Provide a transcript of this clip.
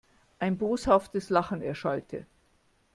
Ein boshaftes Lachen erschallte.